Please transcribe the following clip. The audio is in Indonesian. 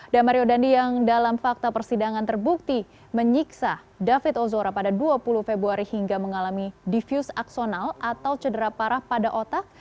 dan mario dandi yang dalam fakta persidangan terbukti menyiksa david ozora pada dua puluh februari hingga mengalami diffuse axonal atau cedera parah pada otak